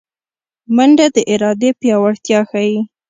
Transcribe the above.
منډه د ارادې پیاوړتیا ښيي